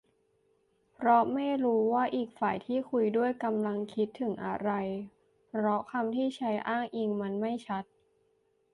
เพราะไม่รู้ว่าอีกฝ่ายที่คุยด้วยกำลังคิดถึงอะไร เพราะคำที่ใช้อ้างอิงมันไม่ชัด